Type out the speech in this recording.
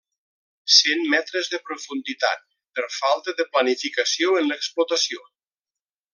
Cent metres de profunditat, per falta de planificació en l'explotació.